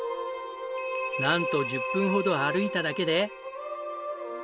なんと１０分ほど歩いただけで。